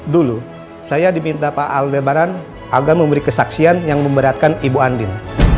dulu saya diminta pak al debaran agar memberi kesaksian yang memberatkan ibu andin